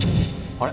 あれ？